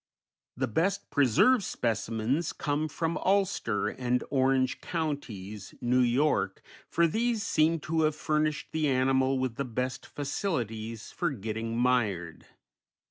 The best preserved specimens come from Ulster and Orange Counties, New York, for these seem to have furnished the animal with the best facilities for getting mired.